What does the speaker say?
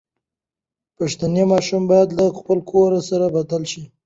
پښتني ماشومان بايد له خپل کلتور سره بلد شي.